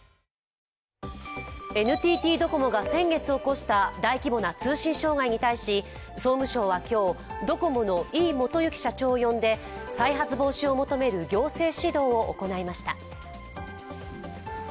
ＮＴＴドコモが先月起こした大規模な通信障害に対し総務省は今日、ドコモの井伊基之社長を呼んで再発防止を求める行政指導を行いました。